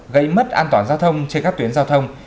gây mất an toàn giao thông trên các tuyến giao thông